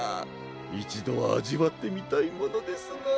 いちどはあじわってみたいものですな。